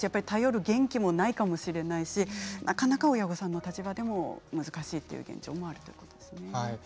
頼る元気もないかもしれないしなかなか親御さんの立場でも難しいという現状もあるということですね。